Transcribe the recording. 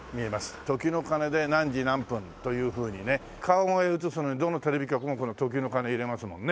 時の鐘で何時何分というふうにね川越映すのにどのテレビ局もこの時の鐘入れますもんね。